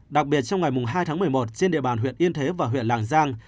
đặc biệt trong ngày hai tháng một mươi một trên địa bàn huyện yên thế và huyện làng giang